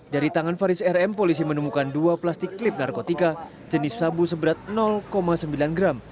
dari tangan faris rm polisi menemukan dua plastik klip narkotika jenis sabu seberat sembilan gram